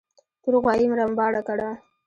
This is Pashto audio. تور غوايي رمباړه کړه.